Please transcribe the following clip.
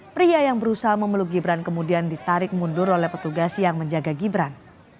pria yang berusaha memeluk gibran kemudian ditarik mundur oleh petugas yang menjaga gibran